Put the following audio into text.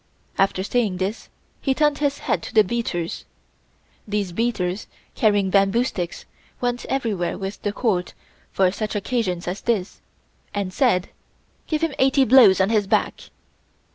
After saying this, he turned his head to the beaters (these beaters, carrying bamboo sticks, went everywhere with the Court, for such occasions as this) and said: "Give him eighty blows on his back."